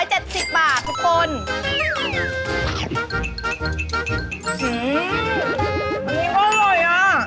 อื้มอันนี้ก็อร่อยอ่ะ